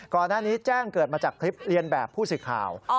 ก่อนหน้านี้แจ้งเกิดมาจากคลิปเรียนแบบผู้สื่อข่าว